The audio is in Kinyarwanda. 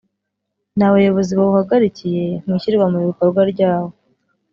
ni Abayobozi bawuhagarikiye mu ishyirwa mu bikorwa ryawo